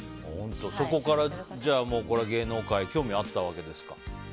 そこから芸能界興味あったわけですか？